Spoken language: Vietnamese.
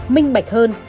minh bạch hơn